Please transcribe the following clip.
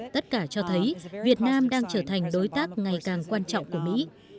tất cả cho thấy việt nam đang trở thành đối tác ngày càng quan trọng của mỹ